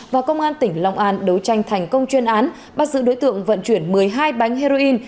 và công an tp hcm đấu tranh thành công chuyên án bắt giữ đối tượng vận chuyển một mươi hai bánh heroin